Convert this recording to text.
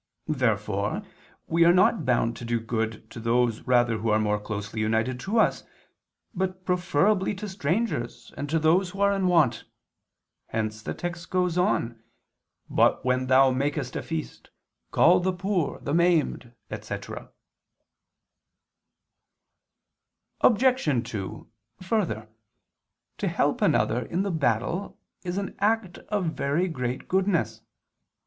Therefore we are not bound to do good to those rather who are more closely united to us, but preferably to strangers and to those who are in want: hence the text goes on: "But, when thou makest a feast, call the poor, the maimed," etc. Obj. 2: Further, to help another in the battle is an act of very great goodness.